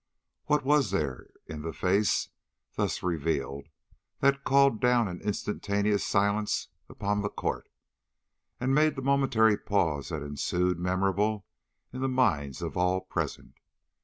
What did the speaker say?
What was there in the face thus revealed that called down an instantaneous silence upon the court, and made the momentary pause that ensued memorable in the minds of all present?